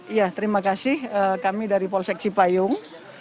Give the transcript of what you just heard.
iya terima kasih kami dari polsek cipayung